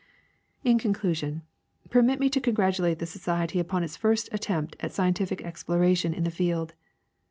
In conclusion, permit me to congratulate the society upon its first attempt at scientific exploration in the field.